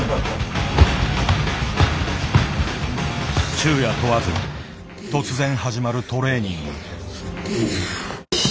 昼夜問わず突然始まるトレーニング。